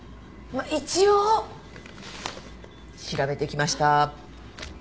まあ一応調べてきました。